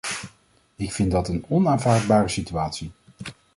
Ik vind dat een onaanvaardbare situatie!